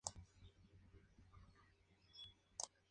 Actualmente vive y trabaja entre las ciudades de Roma y Miami.